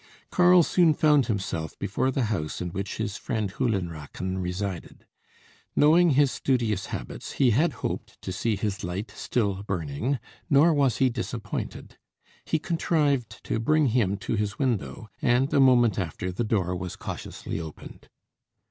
Karl soon found himself before the house in which his friend Höllenrachen resided. Knowing his studious habits, he had hoped to see his light still burning, nor was he disappointed. He contrived to bring him to his window, and a moment after, the door was cautiously opened.